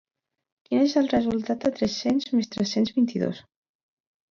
Quin és el resultat de tres-cents més tres-cents vint-i-dos?